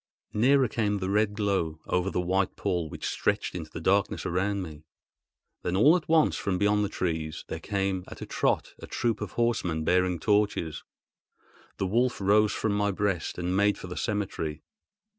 Nearer came the red glow, over the white pall which stretched into the darkness around me. Then all at once from beyond the trees there came at a trot a troop of horsemen bearing torches. The wolf rose from my breast and made for the cemetery.